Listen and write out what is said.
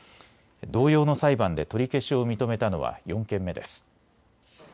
同様の裁判で取り消しを認めたのは４件目です。